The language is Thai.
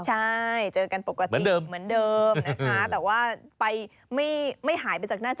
ใช่เจอกันปกติเหมือนเดิมนะคะแต่ว่าไปไม่หายไปจากหน้าจอ